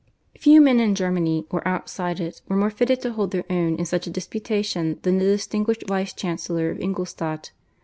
Few men in Germany, or outside it, were more fitted to hold their own in such a disputation than the distinguished Vice Chancellor of Ingolstadt.